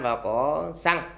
và có xăng